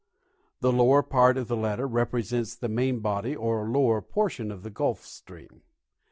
The lower part of the letter represents the main body or lower portion of the Gulf stream.